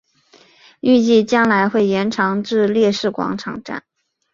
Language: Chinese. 预计将来会延长至烈士广场站。